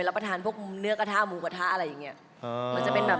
เหมือนเราไปเริ่มประทานเนื้อกระทะมูกระทะอะไรอย่างงี้